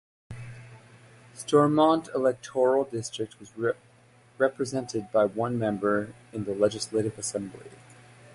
Stormont electoral district was represented by one member in the Legislative Assembly.